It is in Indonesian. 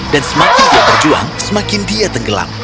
semakin dia berjuang semakin dia tenggelam